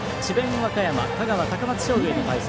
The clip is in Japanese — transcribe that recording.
和歌山香川・高松商業の試合。